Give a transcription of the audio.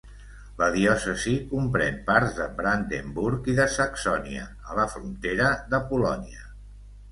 La diòcesi comprèn parts de Brandenburg i de Saxònia, a la frontera de Polònia.